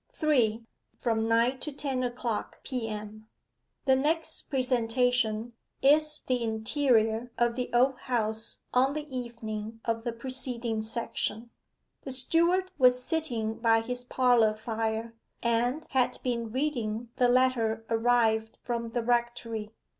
3. FROM NINE TO TEN O'CLOCK P.M. The next presentation is the interior of the Old House on the evening of the preceding section. The steward was sitting by his parlour fire, and had been reading the letter arrived from the rectory.